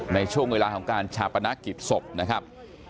ในช่วงเวลาของการชาปนกิจศพนะครับ